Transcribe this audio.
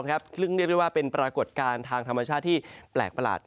ซึ่งเรียกได้ว่าเป็นปรากฏการณ์ทางธรรมชาติที่แปลกประหลาด